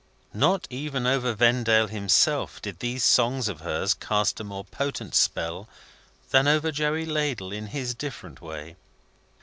Not even over Vendale himself did these songs of hers cast a more potent spell than over Joey Ladle in his different way.